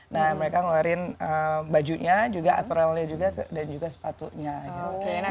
nah mereka ngeluarin bajunya juga apperalnya juga dan juga sepatunya gitu